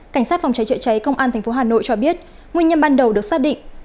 cảnh sát phòng cháy chữa cháy công an tp hà nội cho biết nguyên nhân ban đầu được xác định